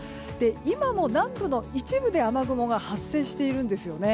今も南部の一部で雨雲が発生しているんです。